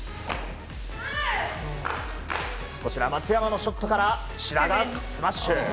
松山のショットから志田がスマッシュ！